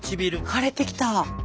腫れてきた。